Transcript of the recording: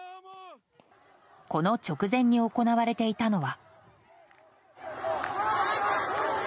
この直前に行われていたのは。